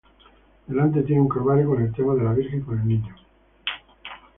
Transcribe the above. Delante tiene un calvario con el tema de la Virgen con el Niño.